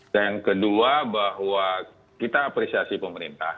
dan kedua bahwa kita apresiasi pemerintah